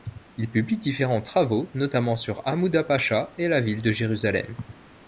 Il publie différents travaux, notamment sur Hammouda Pacha et la ville de Jérusalem.